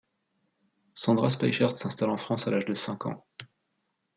Sandra Speichert s'installe en France à l'âge de cinq ans.